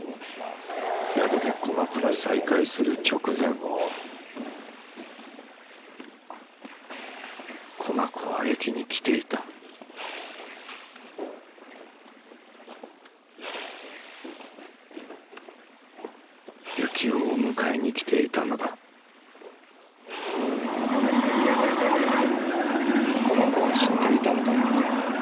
宿で駒子に再会する直前駒子は駅に来ていた行男を迎えに来ていたのだ駒子は知っていたのだろうか。